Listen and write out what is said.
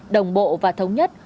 đồng bộ và thống nhất